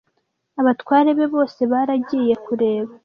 abatware be bose baragiye kureba